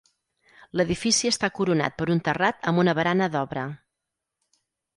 L'edifici està coronat per un terrat amb una barana d'obra.